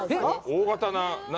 大型な、何？